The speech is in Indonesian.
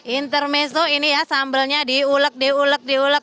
intermeso ini ya sambelnya diulek diulek diulek